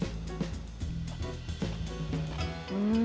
うん！